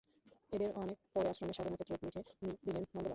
এঁদের অনেক পরে আশ্রমের সাধনাক্ষেত্রে দেখা দিলেন নন্দলাল।